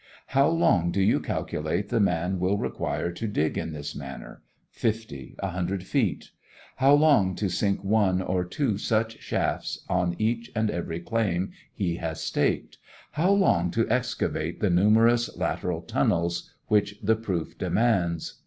How long do you calculate the man will require to dig in this manner, fifty, a hundred feet? How long to sink one or two such shafts on each and every claim he has staked? How long to excavate the numerous lateral tunnels which the Proof demands?